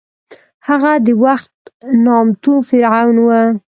هغه د هغه وخت نامتو فرعون و.